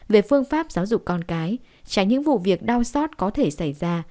về phương pháp giáo dục con cái tránh những vụ việc đau xót có thể xảy ra